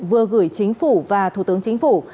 vừa gửi chính phủ và thủ tướng chính phủ